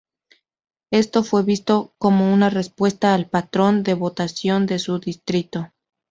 Esto fue visto como una respuesta al patrón de votación de su distrito.